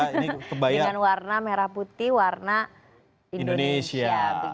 dengan warna merah putih warna indonesia